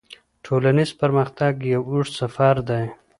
ټولنیز پرمختګ یو اوږد سفر دی.